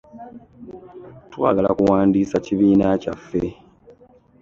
Twagala kuwandiisa kibiina kyaffe.